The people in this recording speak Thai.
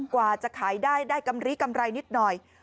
กว่าจะขายได้ได้กำลีกำไรนิดหน่อย